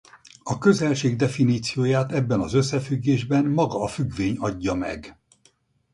A közelség definícióját ebben az összefüggésben maga a függvény adja meg.